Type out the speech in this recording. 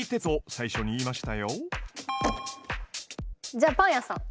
じゃあパン屋さん。